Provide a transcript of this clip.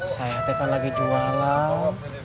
saya hatikan lagi jualan